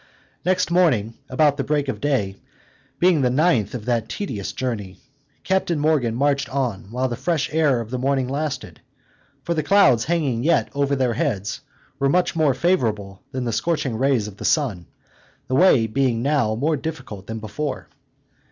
Next morning, about the break of day, being the ninth of that tedious journey, Captain Morgan marched on while the fresh air of the morning lasted; for the clouds hanging yet over their heads, were much more favorable than the scorching rays of the sun, the way being now more difficult than before.